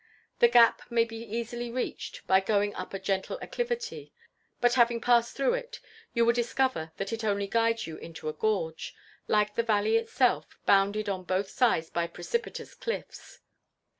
The gap may be easily reached, by going up a gentle acclivity; but having passed through it, you will discover that it only guides you into a gorge, like the valley itself, bounded on both sides by precipitous cliff's.